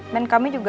men kami juga